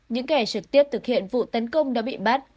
những kẻ trực tiếp thực hiện vụ tấn công đã bị bắt